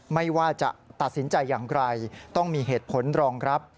ไม่ว่าจะตัดสินใจอย่างไรต้องมีเหตุผลรองรับ